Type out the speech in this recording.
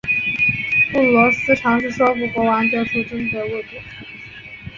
布罗斯尝试说服国王救出贞德未果。